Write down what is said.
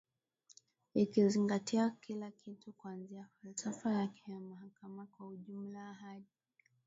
ikizingatia kila kitu kuanzia falsafa yake ya mahakama kwa ujumla hadi